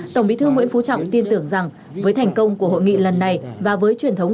tổng bí thư nguyễn phú trọng tin tưởng rằng với thành công của hội nghị lần này và với truyền thống